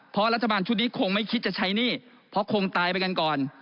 เพราะรัฐบาลชุดนี้คงไม่คิดจะใช้หนี้เพราะคงตายไปกันก่อน